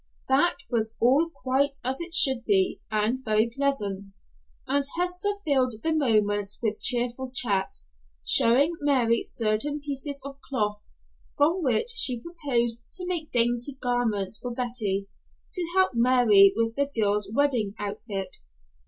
That was all quite as it should be and very pleasant, and Hester filled the moments with cheerful chat, showing Mary certain pieces of cloth from which she proposed to make dainty garments for Betty, to help Mary with the girl's wedding outfit.